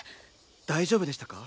大丈夫でしたか？